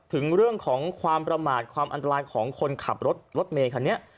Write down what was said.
ถึงเรื่องของความประมาทความอันตรายของคนขับรถรถเมคันนี้